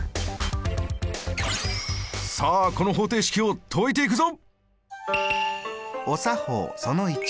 さあこの方程式を解いていくぞ！